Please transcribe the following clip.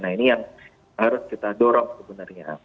nah ini yang harus kita dorong sebenarnya